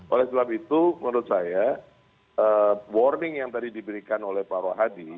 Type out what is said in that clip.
oleh sebab itu menurut saya warning yang tadi diberikan oleh pak rohadi